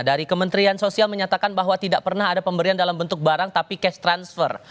dari kementerian sosial menyatakan bahwa tidak pernah ada pemberian dalam bentuk barang tapi cash transfer